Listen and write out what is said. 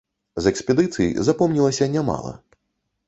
З экспедыцый запомнілася нямала.